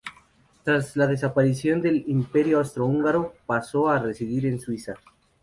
Tras la desaparición del imperio austrohúngaro pasó a residir en Suiza.